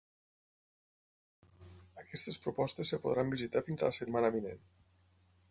Aquestes propostes es podran visitar fins a la setmana vinent.